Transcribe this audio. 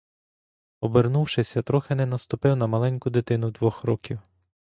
Обернувшись, я трохи не наступив на маленьку дитину двох років.